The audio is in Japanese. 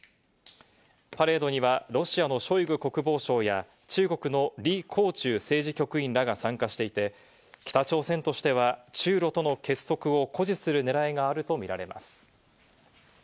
パレードにはロシアのショイグ国防相や、中国のリ・コウチュウ政治局員らが参加していて、北朝鮮としては中露との結束を誇示する狙いがあると見られます。